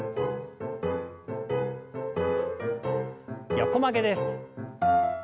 横曲げです。